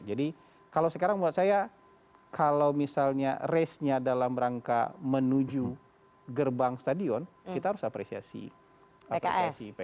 jadi kalau sekarang buat saya kalau misalnya race nya dalam rangka menuju gerbang stadion kita harus apresiasi pks